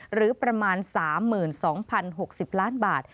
หรือประมาณ๓๒๐๖๐ล้านบาท